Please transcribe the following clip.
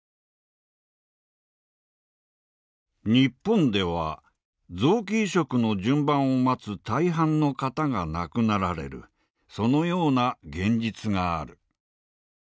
「日本では臓器移植の順番を待つ大半の方が亡くなられるそのような現実がある。